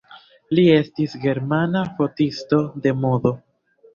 Li estis germana fotisto de modo.